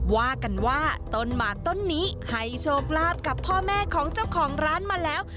ว่ากันว่าต้นหมากต้นนี้ให้โชคลาภกับพ่อแม่ของเจ้าของร้านมาแล้ว